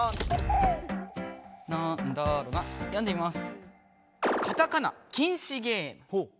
読んでみます。